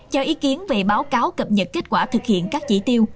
cho ý kiến về báo cáo cập nhật kết quả thực hiện các chỉ tiêu